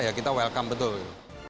ya kita welcome betul